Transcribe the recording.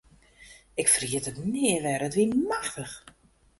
Ik ferjit it nea wer, it wie machtich.